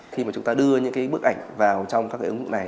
khi mà chúng ta đưa những cái bức ảnh vào trong các cái ứng dụng này